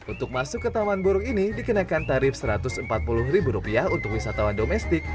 untuk masuk ke taman burung ini dikenakan tarif rp satu ratus empat puluh untuk wisatawan domestik